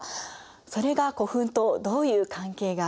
それが古墳とどういう関係があるのか。